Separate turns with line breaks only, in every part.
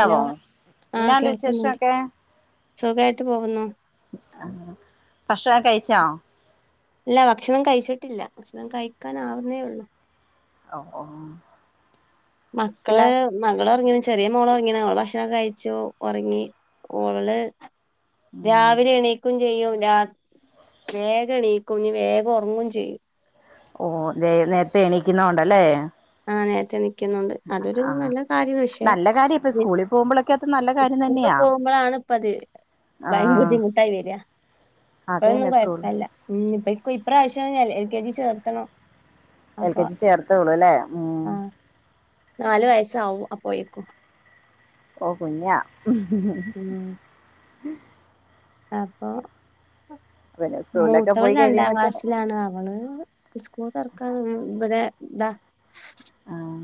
Hello ആഹ്
ഇന്നാണ്ട്
കേൾക്കുന്നുണ്ട്
വിശേഷക്കെ
സുഖായിട്ട് പോകുന്നു
ഭക്ഷണം കഴിച്ചോ?
ഇല്ല ഭക്ഷണം കഴിച്ചിട്ടില്ല ഭക്ഷണം കഴിക്കാൻ ആവുന്നേ ഒള്ളൂ
ഓഹ് ഓഹ്
മക്കള് മകള് ഒറങ്ങിണ് ചെറിയ മോള് ഒറങ്ങിണ് ഓള് ഭക്ഷണം കഴിച്ചു ഒറങ്ങി ഓള്
ഉം
രാവിലെ എണീക്കും ചെയ്യും രാ വേഗം എണീക്കും ഇഞ്ഞ് വേഗം ഒറങ്ങും ചെയ്യും
ഓഹ് വെ നേരത്തെ എണീക്കുന്നെ കൊണ്ടല്ലേ
ആഹ് നേര്ത്തെണീ ക്കുന്നുണ്ട് അതൊരു നല്ല കാര്യാണ് പക്ഷേ
നല്ല കാര്യം ഇപ്പൊ സ്കൂളിൽ പോകുമ്പോഴൊക്കെ അത് നല്ല കാര്യം
സ്കൂൾ
തന്നെയാ
പോകുമ്പോഴാണ് ഇപ്പത് ഭയ ബുദ്ധിമുട്ടായി വെര
അത് തന്നെ സ്കൂൾ
അല്ല ഉം ഇപ്പൊ ഇപ്രാവശ്യം എൽ കെ ജി ചേർത്തണം
എൽ
അപ്പൊ
കെ ജി ചേർത്തേ ഒള്ളൂ അല്ലേ ഉം
ആഹ് നാല് വയസാവും അപ്പോഴേക്കും
ഓഹ് കുഞ്ഞാ
ഉം അപ്പൊ
പിന്നെ സ്കൂളിലൊക്കെ
മൂത്തവൾ
പോയി
രണ്ടാം
കഴിയുമ്പോത്തേന്
ക്ലാസ്സിലാണ് അവള് സ്കൂൾ തൊറക്കാൻ ഉം ഇവടെ ഇതാ
ആഹ്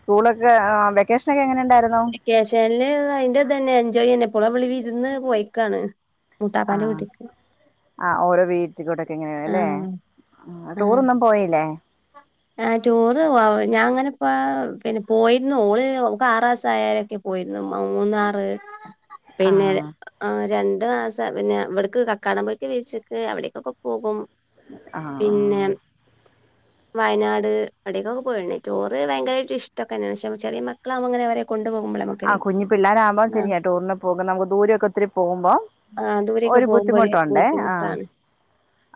സ്കൂളൊക്കെ ആഹ് വെക്കേഷനൊക്കെ എങ്ങനെണ്ടായിരു
വെക്കേഷൻല് അയിന്റെ ഇതെന്നെ എൻജോയ്ന്നെ ഇപ്പളും നമ്മള് വിരുന്ന് പോയക്കാണ്
ആഹ് ആഹ് ഓരോ വീ കൊച്ചിക്കോടൊക്കെ എങ്ങനെയ അല്ലേ
ആഹ്
ടൂറോന്നും പോയില്ലേ
ആ ടൂറ് ഞാൻ അങ്ങനെപ്പ പിന്നെ പോയിരുന്നു ഓള് ഓക്ക് ആറാസായാലൊക്കെ പോയിരുന്നു മൂന്നാറ്
ഉം
പിന്നെ ആഹ് രണ്ടു മാസ പിന്നെ ഇവിടക്ക് കക്കാടം പോയിക്കെ വിച്ചക്ക് അവിടക്ക് കൊ പോകും
ആ
പിന്നെ
ആ
വയനാട് അടേക്കെക്കെ പോയണ് ടൂറ് ഭയങ്കരയിട്ട് ഇഷ്ടക്കെന്നെയാണ് പക്ഷെ ചെറിയ മക്കളവുമ്പോ ങ്ങനെ അവരെ കൊണ്ട് പോകുമ്പോള്
ആഹ് കുഞ്ഞി പിള്ളാരാകുമ്പ ശരിയാ ടൂറിന് പോക നമുക്ക് ദൂരൊക്കെ ഒത്തിരി പോക്മ്പം
ആ ദൂരെയൊക്കെ
ഒരു
പോകുമ്പോ
ബുദ്ധിമുട്ടുണ്ടേ ആഹ്
ബുദ്ധിമുട്ടാണ്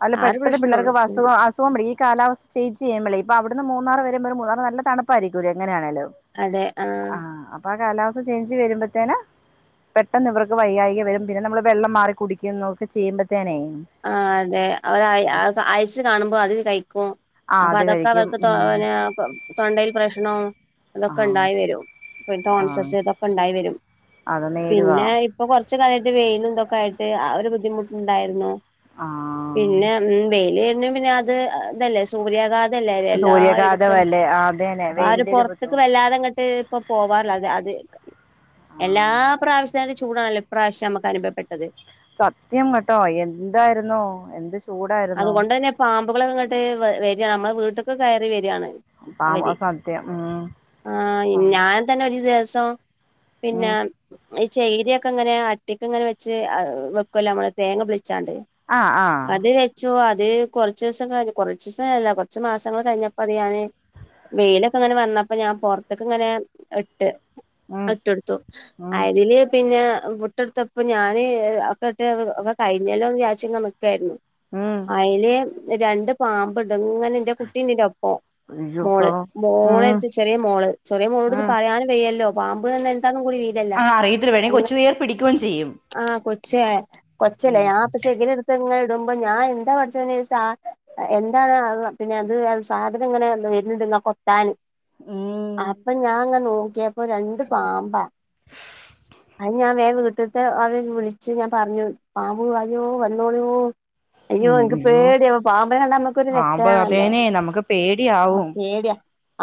അല്ല
ആ ഒരു
പെട്ടെന്ന്
പ്രശ്നേ ഉള്ളൂ
പിള്ളേർക്ക്
പക്ഷെ
വസുഖ അസ് അസുഖം പിടി ഈ കാലാവസ്ഥ ചേഞ്ച് ചെയ്യുമ്പഴേ ഇപ്പ അവിടുന്ന് മൂന്നാർ വരുമ്പ മൂന്നാർ നല്ല തണുപ്പായിരിക്കുലെ എങ്ങനെയാണെലും
അതെ ആ
ആഹ് അപ്പ ആ കാലാവസ്ഥ ചേഞ്ച് വരുമ്പോത്തേന് പെട്ടെന്ന് ഇവർക്ക് വെയ്യായ്ക വരും. പിന്നെ നമ്മള് വെള്ളം മാറി കുടിക്കുംന്നൊക്കെ ചെയ്യുമ്പോത്തേനേ.
ആഹ് അതെ അവര് അയിസ് കാണുമ്പോ അത് കഴിക്കും.
ആഹ്
അപ്പ
അത്
അതൊക്കെ
കഴിക്കും
അവർക്ക്
ഉം
തോനെ ആവുമ്പം തൊണ്ടയിൽ പ്രഷ്നം
ആഹ്
അതൊക്കെണ്ടായി വരും പി
ആഹ്
ടോൺസസ് ഇതൊക്കെണ്ടായി വരും.
അത് നേരുവാ
പിന്നെ ഇപ്പൊ കൊറച് കാലയിട്ട് വെയിലുംതൊക്കെ ആയിട്ട് ആ ഒരു ബുദ്ധിമുട്ടുണ്ടായിരുന്നു.
ആഹ്
പിന്നെ ഉം വെയ്ല് വേര്ണ പിന്നെ അത് ഇതല്ലേ സൂര്യാഘാതം. ഇതല്ലേ എല്ലായിടത്തും
സൂര്യാഘാതമല്ലേ ആ അതന്നെ
അപ്പ ആരും
വെയിലിന്റെ ഒരു
പൊറത്തക്ക്
ബുദ്ധിമുട്ട്
വല്ലാതങ്ങട്ട് ഇപ്പൊ പോവാറില്ല അത് എല്ലാ
ആഹ്
പ്രാവശ്യത്താട്ടീം ചൂടണല്ലോ ഇപ്രാവശ്യം അമ്മക്ക് അനുഭവപ്പെട്ടത്.
സത്യം കേട്ടോ എന്തായിരുന്നോ എന്ത് ചൂടായിരുന്നോ
അത്കൊണ്ട്ന്നെ പാമ്പുകൾ ങ്ങട്ട് വരിയാണ് നമ്മളെ വീട്ട്ക്ക്‌ കയറി വരിയാണ്.
പാമ്പ്
അവര്
സത്യം ഉം
ആ
പാമ്പ്
ഞാൻ തന്നെ ഒരു ദിവസം പിന്നെ
ഉം
ഈ ചെയ്രിക്കെ ഇങ്ങനെ അട്ടിക്ക്ങ്ങനെ വെച്ച് വെക്കല്ലോ അമ്മള് തേങ്ങ പൊളിച്ചാണ്ട്.
ആഹ് ആഹ്
അത് വെ ച്ചു അത് കൊറച്ച് ദിവസം കഴ കുറച്ച്സംല്ല കൊറച്ച് മാസങ്ങൾ കഴിഞ്ഞപ്പോ അത് ഞാന്. വെയിലൊക്കെങ്ങനെ വന്നപ്പോ ഞാൻ പൊറത്ത്ക്ക്‌ങ്ങനെ ഇട്ട്
ഉം
ഇട്ടോടുത്തു
ഉം
അതില്. പിന്നെ മുട്ടെടുത്തപ്പ ഞാന് ഒക്കെ ഇട്ട് ഒക്കെ കഴിഞ്ഞല്ലോ ന്ന് വിചാരിച്ചിങ് നിക്കായിരുന്നു
ഉം
അയ്ല് രണ്ട് പാമ്പ് ഇണ്ട് ഇങ്ങനെ ഇന്റെ കുട്ടീന്റെനൊപ്പം
അയ്യോ പ്പോ
മോള്
ഉം
മോളടുത്ത് ചെറിയ മോള് ചെറിയ മോളോട് ഇത്
ഉം
പറാനും വയ്യല്ലോ പാമ്പ് എന്ന് [unintelligible]
അഹ് അറിയത്തില്ല വേണെ കൊച്ചു കേറി പിടിക്കുയും ചെയ്യും.
ആഹ് കൊച്ച കൊച്ചല്ലേ
ഉം
ഞാൻ പ ശഖിരിടുത്ത്ങ്ങനെ ഇടുമ്പ ഞാൻ എന്താ പഠച്ചോനെ ഇത് സാ എന്താണ് പിന്നെ അത് സാധനം ഇങ്ങനെ വരുന്നുണ്ട്ല്ലൊ കൊത്താന്
ഉം
അപ്പ ഞാൻങ്ങ നോക്കിയപ്പോ രണ്ടു പാമ്പാ.
ഉ
അത് ഞാൻ വേറെ വീട്ടത്തെ അവരെ വിളിച്ച് ഞാൻ പറഞ്ഞു പാമ്പൂ അയ്യോ വന്നോളിയോ അയ്യോ എനിക്ക് പേടിയ പാമ്പിനെ കണ്ടാ നമ്മക്ക് രു
പാമ്പ്
രക്തയാണല്ലോ
അതേനെ നമുക്ക്
ആ
പേടിയാവും
പേടിയാ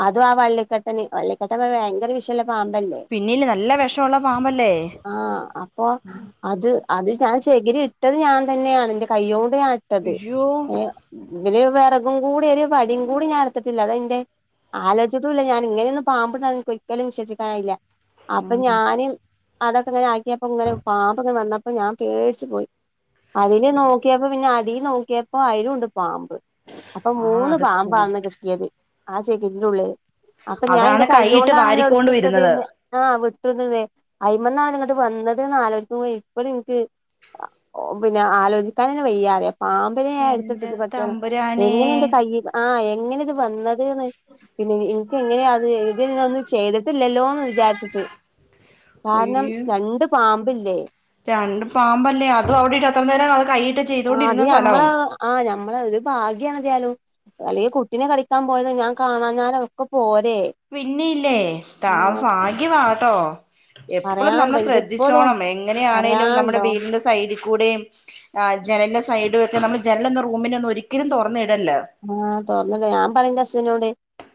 അതും ആ വള്ളിക്കെട്ടന് വള്ളിക്കെട്ടൻ ന് ഭയങ്കര വിഷ് ഷള്ള പാമ്പല്ലേ
പിന്നില് നല്ല വെഷമുള്ള പാമ്പല്ലേ
ആഹ് അപ്പൊ അത് അത് ഞാൻ ചകിരി ഇട്ടത് ഞാൻ തന്നെയാണ് എൻറെ കയ്യോണ്ട് ഞാൻ ഇട്ടത്
അയ്യോ
ഏ എങ്കില് വിറകും കൂടി ഒരു വടിയും കൂടി ഞാൻ എടുത്തിട്ടില്ല അത് അയ്ന്റെ ആലോയ്ച്ചിട്ടുല്ല ഞാന് ഇങ്ങനെയൊന്നും പാമ്പ് ണ്ടാവും ന്ന് ഒരിക്കലും വിശ്വസിക്കാനായില്ല അപ്പ
ഉം
ഞാന് അതൊക്കെ ഇങ്ങനെ ആക്കിയപ്പ ഇങ്ങനെ പാമ്പ് ഇങ്ങനെ വന്നപ്പോ ഞാൻ പേടിച്ചു പോയി അതില് നോക്കിയപ്പോ പിന്നെ അടിൽ നോക്കിയപ്പോ അയ്ലൂണ്ട് പാമ്പ് അപ്പ
ആഹ്
മൂന്ന്
അത് കൂട്ട്
പാമ്പാണ് കിട്ടിയത് ആ ചകരിന്റെ ഉള്ളില് അപ്പ ഞാൻ
അതാണ്
എന്റെ
കൈയിട്ട്
കയ്യോണ്ടാണല്ലോ
വാരിക്കൊണ്ട്
എടുത്തിട്ടത്
വരുന്നത്
ആഹ് വിട്ടുന്നന്നേ അയ്മന്നാണല്ലോ ഇങ്ങട്ട് വന്നതന്ന് ആലോചിക്കുമ്പോ ഇപ്പഴും ഇൻക്ക്. അ ഒ പിന്നെ ആലോചിക്കാന്നെന്നെ വെയ്യാറിയാ പാ മ്പിനെ ഞാൻ
എന്റെ
എടുത്തിട്ടത് പടച്ചോനെ
തമ്പുരാനേ
എങ്ങനെ എന്റെ കയ്യിൽ ആഹ് എങ്ങനെ ഇത് വന്നത് ന്ന്‌ പിന്നെ ഇൻക്ക് എങ്ങനെയാ അത് ഇതി ഒന്നും ചെയ്തിട്ടില്ലല്ലോ എന്ന് വിചാരിച്ചിട്ട് കാരണം
അയ്യോ
രണ്ട് പാമ്പില്ലേ
രണ്ട് പാമ്പല്ലേ അത അവി [unintelligible] നേരം അത് കൈ ഇട്ട്
ആഹ് അത് ഞമ്മള ആഹ് ഞമ്മള ആഹ് അത് ഭാഗ്യാണ് ഏതായാലും അല്ലെങ്കിൽ കുട്ടിനെ കളിക്കാൻ പോയതൊ ഞാൻ കാണാഞ്ഞാലൊ ഒക്കെ പോരെേ
പിന്നെയില്ലേ താ ഭാഗ്യമാട്ടോ എപ്പളും നമ്മൾ
പറയാണ്ടോ എനിക്ക് ഇപ്പളും
ശ്രദ്ധിച്ചോണം എങ്ങനെയാണേലും നമ്മുടെ
പറയാണ്ടോ
വീടിന്റെ സ് സൈഡിൽ കൂടെയും ജനല് സൈഡും ഒക്കെ നമ്മൾ ജനല് റൂമില് ഒന്നും ഒരിക്കലും തുറന്ന്‌ ഇടല്ലെ
ആഹ് തൊർന്നിടാ ഞാൻ പറയും ന്റെ ഹസ്ബന്റിനോട്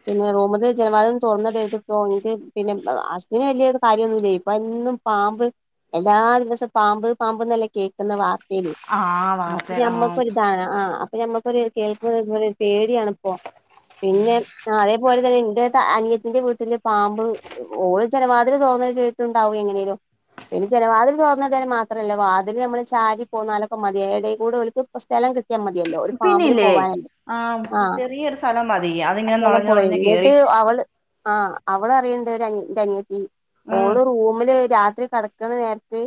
പിന്നെ റൂമ്ത്തെ ജന വാതില് ഒന്നും തുറന്ന് ഇടരുത്ടോ എനിക്ക് പിന്നെ ഹസ്ബന്റിന് വലിയൊരു കാര്യന്നുല്ല ഇപ്പൊ എന്നും പാമ്പ് എല്ലാ ദിവസവും പാമ്പ് പാമ്പ്ന്നല്ലെ കേൾക്കുന്ന വാർത്ത യില്
ആഹ്
അപ്പൊ
വാർത്തേൽ
ഞമ്മക്കൊരു
ആഹ്
ഇതാണ് ആഹ് അപ്പൊ ഞമ്മക്കൊരു കേൾക്ക [unintelligible] പേടിയാണ്പ്പോ പിന്നെ ആഹ് അതേപോലെ എന്റെ അനിയത്തിന്റെ വീട്ടില് പാമ്പ് ഓള് ജനവാതില് തുറന്നിട്ടിട്ടുണ്ടാവും എങ്ങനേലും പിന്നെ ജനവാതിൽ തൊറന്നിടൽ മാത്രല്ല വാതില് നമ്മള് ചാരി പോന്നാലൊക്കെ മതി എടേ കൂടെ ഓൽ ക്ക് സ്ഥലം കിട്ടിയാല് മതിയല്ലോ ഒരു പാമ്പിന്
പിന്നില്ലേ
പോവാനുണ്ട് ആഹ്
ചെറിയൊരു സ്ഥലം മതി അതിങ്ങനെ
സ്ഥലം
നുഴഞ്ഞ്
പോയി
നുഴഞ്ഞ് കേറി
എന്നിട്ട് അവള് ആഹ് അവള് അറിയണ്ട് ഒരു ന്റെ അനിയത്തി
ഉം
ഓള് റൂമില് രാത്രി കട ക്ക്ണ നേരത്ത്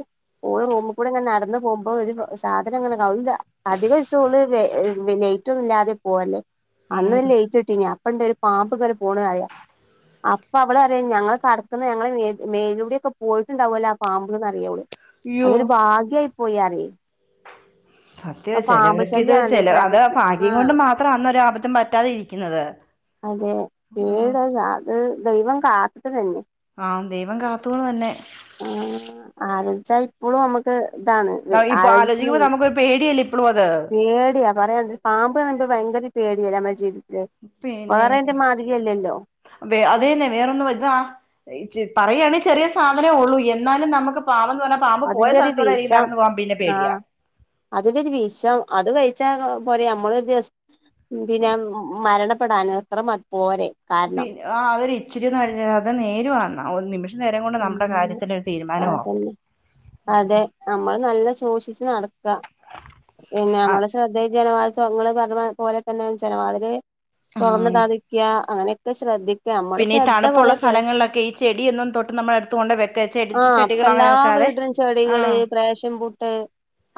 ഓള് റൂമ്കൂടെങ്ങെനെ നടന്ന് പോകുമ്പോ ഒരു സാധനം ഇങ്ങനെ അതും അധിക ദിവസോം ഓള് വെ ലൈറ്റ് റ്റും ഇല്ലാതെ പോവല്
ഉം
അന്ന് ഓല് ലൈറ്റ് ഇട്ടിനു അപ്പണ്ട് ഒരു പാമ്പ് ഇങ്ങനെ പോണെ പറയാ അപ്പൊ അവള് അറിയാ ഞങ്ങള് കടക്കുന്ന ഞങ്ങളെ മേല് മേലിലൂടെ ഒക്കെ പോയിട്ടുണ്ടാവുല്ലോ ആ പാമ്പ്ന്നറിയ ഓള് അതൊരു ഭാഗ്യായി പോയി അറിയെ
സത്യം ചിലവർക്ക് ഇത്
ശല്യാണല്ലേ ഈ
ചില അത്
പ്രകൃതി
ഭാഗ്യ
ആ
[unintelligible] കൊണ്ട് മാത്ര അന്നൊരു അബദ്ധം പറ്റാതെ ഇരിക്കുന്നത്
അതെ
ആ
പേട് അത് ദൈവം കാത്തിട്ട് തന്നെ
ആഹ് ദൈവം കാത്തത് തന്നെ
ആഹ് ആലോചിച്ചാ ഇപ്പോഴും നമുക്ക് ഇതാണ്
ഇപ്പൊ ആലോചിക്കുമ്പോ
ആലോചിക്കണതേ
നമുക്കൊരു പേടിയല്ലേ ഇപ്പളും അത്
പേടിയ പറയാണ്ടോ ഒരു പാമ്പ് [unintelligible] ഭയങ്കര പേടിയല്ല നമ്മുടെ ജീവിതത്തില്
പിന്നെ
വേറെന്റെ മാതിരിയല്ലല്ലോ
വേ അതേന്നെ വേറെന്നും ഇതാ പറയാണെ ചെറിയ സാധനേ ഉള്ളൂ എന്നാലും നമുക്ക് പാവന്ന് പറഞ്ഞ പാമ്പ് പോയ
അതിന്റെ ഒരു
സ്ഥലത്തുകൂടെ ഇൻക്ക് നടന്നു പോകാൻ പിന്നെ പേടിയാ
അതലൊരു വിഷം അത് കഴിച്ചാ പോരെ നമ്മളൊരു ദിവസ ന്തിനാ മരണപ്പെടാനോ അത്ര മതി പോരെ കാരണം
പിന്ന ആഹ് അവരിച്ചിരിന്ന് കഴിഞ്ഞ അത് നീര് വന്നാ ഒരു നിമിഷം ഈ നേരം കൊണ്ട് നമ്മടെ
ഉം
കാര്യത്തില് ഒരു തീരുമാനമാവും.
അതന്നെ അതെ നമ്മള് നല്ല ശൂഷിച്ച് നട പിന്നെ
ആ
നമ്മളെ സ്രദ്ധ ഈ ജനവതില് [unintelligible] പോലെ തന്നെ ജനവാതില്
ആഹ്
തൊർന്ന്ടാതിക്ക്യാ അങ്ങനെയൊക്കെ ശ്രദ്ധി
പിന്നെ ഈ തണുപ്പുള്ള സ്ഥലങ്ങളിലൊക്കെ ഈ ചെടി ഒന്നും തൊട്ട് നമ്മ തോണ്ട് വെക്ക ചെടി
ആഹ് ഇപ്പ
ചെടികൾ അങ്ങനെ
എല്ലാ
ഒന്നും വെക്കാതെ
വീട്ടിലും ചെടികള്
ആഹ്.
പേഷൻ പൂട്ട്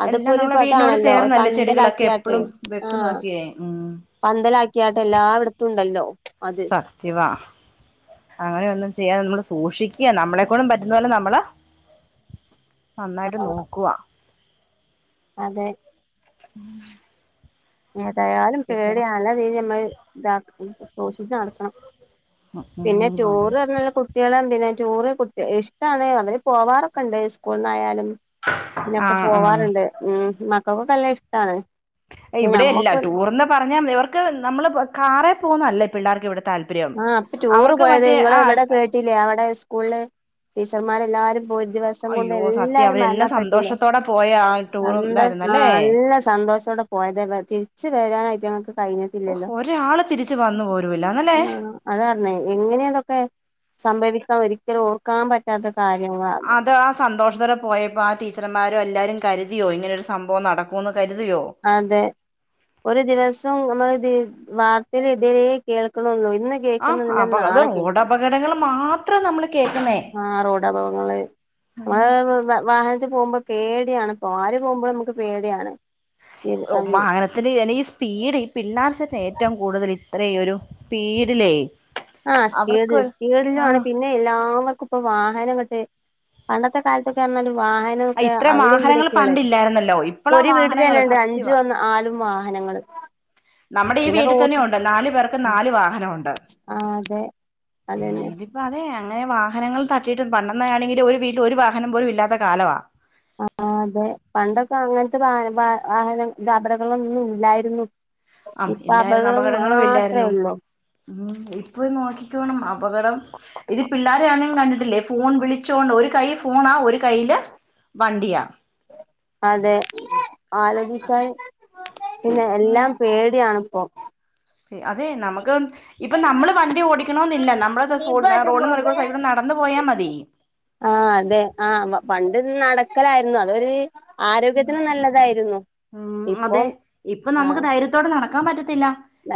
അതിപ്പോ
എല്ലാം
ഒരു
നമ്മളെ വീടിനോട്
ഇതാണല്ലോ
ചേർന്നല്ലേ ചെടികളൊക്കെ
പന്തലാക്കിയാട്ട്
എപ്പളും വെക്കുന്നൊക്കേ ഉം.
പന്തലാക്ക്യാട്ട് എല്ലായിടത്തുംണ്ടല്ലോ അത്
റ്റിവാ അങ്ങനെയൊന്നും ചെയ്യാതെ നമ്മള് സൂക്ഷിക്ക്യ നമ്മളെക്കൊണ്ടും പറ്റുന്ന പോലെ നമ്മള് നന്നായ്ട്ട് നോക്കുവാ.
അതെ
ഉം
ഏതായാലും പേട്യാ നല്ല രീതി നമ്മൾ ഇതാക്കണം സൂക്ഷിച്ച് നടക്കണം. പിന്നെ
ഉം അതെ
ടൂറ് പറഞ്ഞ കു കുട്ട്യളും പിന്നെ ടൂറ് കുട്ട ഇഷ്ടാണ് അവര് പോവാറൊക്കെ ഇണ്ട് സ്കൂൾന്നായാലും. പിന്നൊക്ക
ആഹ് ആഹ്
പോവാറ്ണ്ട് ഉം മക്കക്കൊക്കെ നല്ലെ ഇഷ്ടാണ്.
ഏഹ് ഇവിടെയല്ല
ഞമ്മക്ക്
ടൂർന്ന് പർഞ്ഞാ ഇവർക്ക് നമ്മള് കാറേ പോവുന്നേ അല്ല പിള്ളേർക്ക് ഇവ്ടെ
ആഹ് ഇപ്പൊ ടൂറ് പോയത് നിങ്ങള്
ആഹ്
ഇവടെ കേട്ടില്ലേ അവിടെ സ്കൂളില് ടീച്ചർമാരെല്ലാരും പോയി ദിവസം കൊണ്ട്
അയ്യോ സത്യം
എല്ലാരും
അവരെന്ന
മരണ പെട്ടില്ലേ
സന്തോഷത്തോടെ പോയ ആ ടൂറും
സന്തോ ആ
ഇതായിരുന്നല്ലേ
നല്ല സന്തോഷോടെ പോയതെല്ലേ തിര്ച്ച് വരാനയ്റ്റങ്ങക്ക് കഴിഞ്ഞിട്ടില്ലല്ലോ.
ഒരാള് തിരിച്ചു വന്നു പോയ്
ആ അതാർഞ്ഞെ എങ്ങനെയ ആഹ് അതാർഞ്ഞെ എങ്ങനെ ഇതൊക്കെ സംഭവിക്കാൻ ഒരിക്കലും ഓർക്കാൻ പറ്റാത്ത കാര്യ.
അതാ സന്തോഷത്തോടെ പോയപ്പോ ആ ടീച്ചർമ്മാരും എല്ലാരും കരുതിയോ ഇങ്ങനെരു സംഭവം നടക്കുമെന്ന് കരുതിയോ?
അതെ ഒരു ദിവസം [unintelligible] വാർത്തേല് ഇതേ കേൾക്ക്ണൊള്ളൂ ഇന്ന്
ആഹ്
കേൾക്കുന്നില്ല
ആഹ് അപ്പ അത്
നാളെ
റോഡ്
കേൾക്കാം
അപകടങ്ങള് മാത്ര നമ്മള് കേക്ക് ന്നേ.
അപകങ്ങള് നമ്മ വ വാഹനത്തി പോവുമ്പോ പേട്യാണ് പോവാൻ ആര് പോവുമ്പോളും നമുക്ക് പേട്യായാണ്.
ഉം വാഹന അതില് ഈ സ്പീഡ് ഈ പിള്ളേർകൊക്കെ ഏറ്റവും കൂടുതൽ ഇത്ര ഒരു സ്പീഡിലേ
ആഹ്
അവർക്ക്
സ്പീഡില് സ്പീഡിലും ആണ്
ആഹ്
പിന്നെ എല്ലാവർക്കും ഇപ്പ വാഹനങ്ങട്ട് പണ്ടത്തെ കാലത്തൊക്കെ പർഞ്ഞാല് വാഹന നൊക്കെ
ഇത്ര
അവടീം ഇവിടീം
വാഹനങ്ങൾ
ക്കെള്ളേര്ന്ന്
പണ്ടില്ലായിരുന്നല്ലോ
ഇപ്പൊ
ഇപ്പളാ
ഒരു
വാഹനങ്ങള്
വീട്ടിലെന്നെ ഇണ്ട് അഞ്ച്
സത്യവാ
ഒന്ന് ആറും വാഹനങ്ങള്.
നമ്മടെ ഈ
പിന്നെ
വീട്ടി തന്നെ
റോഡ്
ഉണ്ട് നാലു പേർക്ക് നാല് വാഹനം ഉണ്ട്.
ആ അതെ അതന്നെ
അപ്പൊ അതെ അങ്ങനെ വാഹനങ്ങള് തടിട്ട് പണ്ടെന്നാണെങ്കി ഒരു വീട്ടിൽ ഒരു വാഹനം പോലും ഇല്ലാത്ത കാലവാ.
ആഹ് അതെ പണ്ടൊക്കെ അങ്ങൻത്തെ വാഹ വ വാഹന യാത്രകളൊന്നും ഇല്ലായിരുന്നു.
ആഹ്
ഇപ്പൊ
ഇല്ലായിരുന്നു
അപകടം
അപകടങ്ങളും
മാത്ര
ഇല്ലായിരുന്നു
ഒള്ളൂ.
ഇപ്പൊ നോക്കിക്കോണം അപകടം ഇത് പിള്ളേരെ ആണേം കണ്ടിട്ടില്ലേ? ഫോൺ വിളിച്ചോണ്ട് ഒരു കൈ ഫോണാ ഒരു കൈയില് വണ്ടിയാ.
അതെ ആലോചിച്ചാ പിന്നെ
ഉം
എല്ലാം പേട്യാണ്പ്പോ.
അതെ നമക്ക് ഇപ്പ നമ്മള് വണ്ടി ഓടിക്കണോന്നില്ല ന [unintelligible] റോഡ്ന്റെ നടൂ ക്കൂടെ സൈഡുക്കൂടെ നടന്നു പോയാ മതി.
ആഹ് അതെ ആ പണ്ട് നടക്കലായിരുന്നു അതൊരു ആരോഗ്യത്തിന് നല്ലതായിരുന്നു ഇപ്പം അഹ്
ത്തോടെ നടക്കാൻ പറ്റത്തില്ല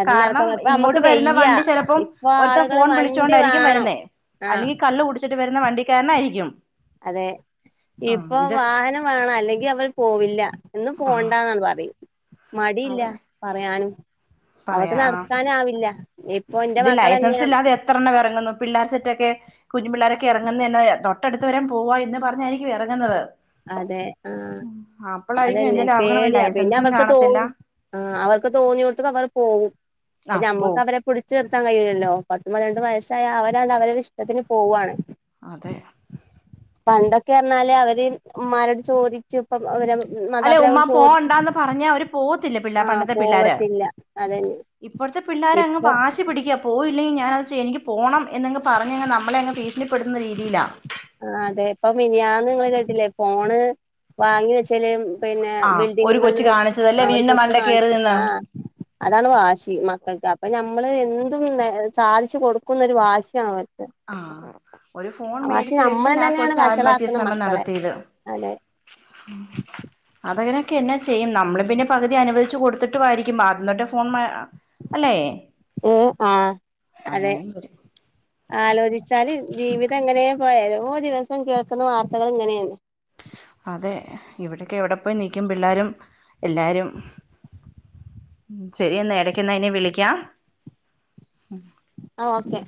കാരണം
ഇപ്പ
ഇങ്ങോട്ട്
നമ്മുക്ക്
വരുന്ന
വെയ്യ
വണ്ടി ചിലപ്പം
ഇപ്പൊ
ഒരുത്തൻ
ആളുകള്
ഫോൺ വിളിച്ചു
വണ്ടി
കൊണ്ടായിരിക്കും
വേണം
വരുന്നേ
ആ
അല്ലെങ്കി കള്ള് കുടിച്ചിട്ട് വരുന്ന വണ്ടിക്കാരനായിരിക്കും
അതെ
ആഹ്
ഇപ്പൊ
ഇതൊക്കെ
വാഹനം വേണ അല്ലെങ്കി അവർ പോവില്ല എന്ന് പോ
ആഹ്
ണ്ടന്നാണ്ട് പറയും മടിയില്ല
അതെ
പറയാനും
പറയാ
അവക്ക്
ആ
നടക്കാന ആവില്ല ഇപ്പൊ എന്റെ
ഇത് ലൈസൻസ്
മക്കളെന്നെയാ
ഇല്ലാതെ എത്രണ്ണം ഇറങ്ങുന്നു പിള്ളേർ സെറ്റൊക്കെ കുഞ്ഞു പിള്ളോരൊക്കെ ഇറങ്ങുന്ന എന്നെ തൊട്ടടുത്ത് വരെം പോവാ എന്ന് പറഞ്ഞായിരിക്കും ഇറങ്ങുന്നത്
അതെ ആഹ്
അപ്പോളായിരിക്കും
അതെന്നെ
എന്തേലും ആവണം
പേടിയാ പിന്നെ
ലൈസൻസും
അവർക്ക്
കാണത്തില്ല
തോന്നും ആഹ് അവർക്ക് തോന്നിയോടുത്തക്ക അവർ പോകും
ആ
ഞമ്മക്ക്
പോവും
അവരെ പിടിച്ച് നിർത്താൻ കഴിയൂല്ലല്ലോ പത്ത് പതിനെട്ട് വയസ്സായ അവര അവരരു ഇഷ്ടത്തിന് പോവാണ്
അതെ
പണ്ടൊക്കെ പറഞ്ഞാല് അവര് ഉമ്മാരോട് ചോദി ഇപ്പം അവര്
അല്ലെ ഉമ്മാ
മാതാപിതാക്കളോട് ചോദിച്ചു
പോണ്ടാന്ന് പറഞ്ഞാ അവര് പോവത്തില്ല പിള്ളേ
ആഹ്
പണ്ടത്തെ പിള്ളേര്
പോവത്തില്ല അതെന്നെ
ഇപ്പോഴത്തെ പിള്ളോര അങ്ങ് വാശി പിടിക്ക പോയില്ലെങ്കിൽ ഞാന ചെയ്യും എനിക്ക് പോണം എന്നങ് പറഞ്ഞങ് നമ്മളെ അങ്ങ് ഭീഷണിപ്പെടുത്തുന്ന രീതിയിലാ
ആഹ് അതെ ഇപ്പം മിനിയാന്ന് നിങ്ങള് കേട്ടില്ലേ ഫോണ് വാങ്ങി വെച്ചല് പിന്നെ
ആ ഒരു കൊച്ച്
ബിൽഡിങ്ങ്മ്മന്ന്
കാണിച്ചതല്ലേ
ആര്
വീടിന്റെ
കൊച്ച
മണ്ടേ കയറി
കാണിച്ച ആഹ്
[inaudible]
അതാണ് വാശി മക്കൾക്ക് അപ്പൊ നമ്മള് എന്തും സാധിച്ച് കൊടുക്കുന്നൊരു വാശിയാണ് അവർക്ക്
ആഹ് ഒരു ഫോൺ
പക്ഷെ
മേടിച്ച
നമ്മൾ
വെച്ചതിനാ ആ
തന്നെയാണ്
കൊച് ആത്മഹത്യാ
വഷളാക്കുന്ന
ശ്രമം
മക്കളെ
നടത്തിയത്
അതെ
[inaudible] അതങ്ങനെയൊക്കെ എന്നാ ചെയ്യും നമ്മള് പിന്നെ പകുതി അനുവദിച്ചു കൊടുത്തിട്ടുമായിരിക്കും ആദ്യം തൊട്ട് ഫോൺ അല്ലേ
ആഹ് അതെ
അങ്ങനെയും വരും
ആലോചിച്ചാല് ജീവിതം എങ്ങനെയെ പോയാല ഓരോ ദിവസം കേൾക്കുന്ന വാർത്തകളിങ്ങനെയാണ്
അതെ ഇവിടക്കെ എവിടെ പോയി നിക്കും പിള്ളേരും എല്ലാരും ശരി എന്നാ എടക്ക്ന്ന ഇനി വിളിക്കാം
ആഹ് ഓക്കെ